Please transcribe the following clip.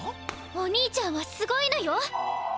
お兄ちゃんはすごいのよ！